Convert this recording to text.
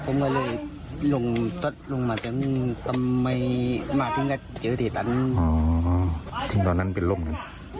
ผมก็เลยลงลดลงมาจนทำไมมาถึงกับเกียรติฐานอ๋อที่ตอนนั้นเป็นลมไง